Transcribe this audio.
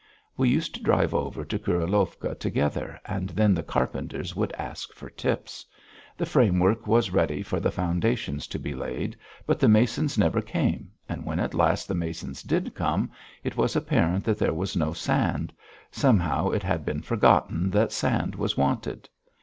We used to drive over to Kurilovka together and then the carpenters would ask for tips. The framework was ready for the foundations to be laid, but the masons never came and when at last the masons did come it was apparent that there was no sand; somehow it had been forgotten that sand was wanted.